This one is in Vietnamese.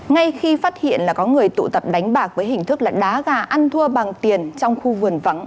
ngay khi phát hiện là có người tụ tập đánh bạc với hình thức là đá gà ăn thua bằng tiền trong khu vườn vắng